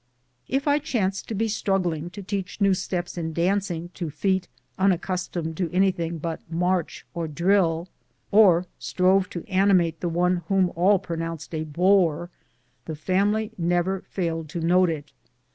If I chanced to be struggling to teach new steps in dancing to feet unaccustomed to anything but march or drill, or strove to animate the one whom all pronounced a bore, the family never failed to note it.